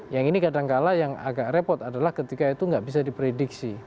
yang ini kadangkala yang agak repot adalah ketika itu nggak bisa diprediksi